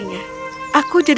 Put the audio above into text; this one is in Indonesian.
dia yang menemani